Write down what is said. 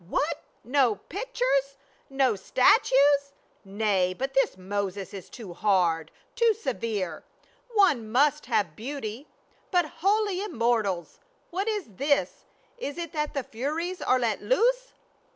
"" What ! no pictures ? no statues ? Nay, but this Moses is too hard — too severe ; one must have beauty. But holy immortals ! what is this ; is it that the furies are let loose?"